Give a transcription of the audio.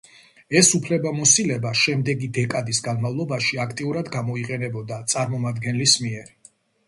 ეს უფლებამოსილება შემდეგი დეკადის განმავლობაში აქტიურად გამოიყენებოდა წარმომადგენლის მიერ.